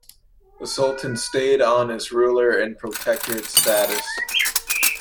The Sultan stayed on as ruler in protectorate status.